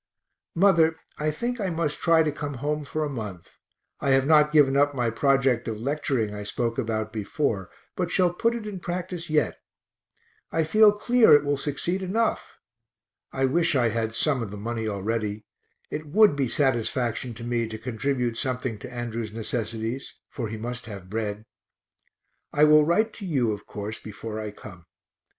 Mother, I think I must try to come home for a month I have not given up my project of lecturing I spoke about before, but shall put it in practice yet; I feel clear it will succeed enough. (I wish I had some of the money already; it would be satisfaction to me to contribute something to Andrew's necessities, for he must have bread.) I will write to you, of course, before I come.